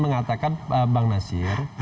mengatakan bang nasir